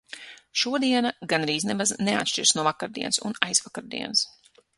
Šodiena gandrīz nemaz neatšķiras no vakardienas un aizvakardienas.